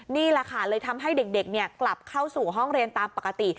นี่แหละค่ะเลยทำให้เด็กกลับเข้าสู่ห้องเรียนตามปกติ